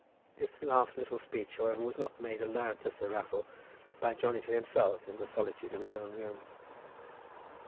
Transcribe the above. This last little speech, however, was not made aloud to Sir Raffle, but by Johnny to himself in the solitude of his own room.